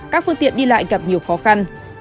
các phương tiện đi lại gặp nhiều khó khăn